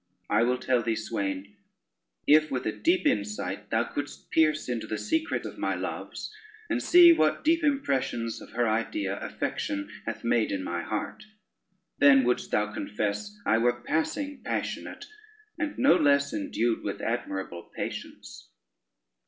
I will tell thee, swain, if with a deep insight thou couldst pierce into the secret of my loves, and see what deep impressions of her idea affection hath made in my heart, then wouldst thou confess I were passing passionate, and no less endued with admirable patience."